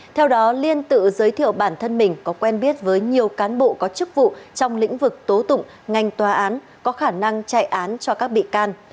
theo đó liên tự giới thiệu bản thân mình có quen biết với nhiều cán bộ có chức vụ trong lĩnh vực tố tụng ngành tòa án có khả năng chạy án cho các bị can